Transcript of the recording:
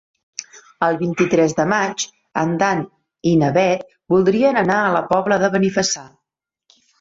El vint-i-tres de maig en Dan i na Bet voldrien anar a la Pobla de Benifassà.